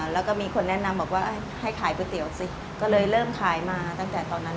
แล้วก็มีคนแนะนำบอกว่าให้ขายก๋วยเตี๋ยวสิก็เลยเริ่มขายมาตั้งแต่ตอนนั้น